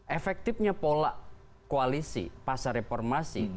efektifnya pola koalisi pasca reformasi